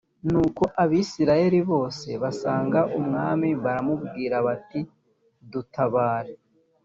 nuko abisirayeli bose basanga umwami baramubwira bati dutabare